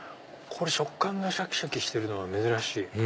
これ食感がシャキシャキしてるのは珍しい。